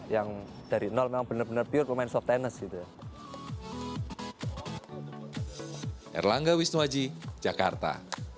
yang dari nol memang benar benar pure pemain soft tennis gitu ya